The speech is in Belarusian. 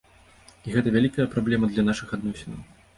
І гэта вялікая праблема для нашых адносінаў.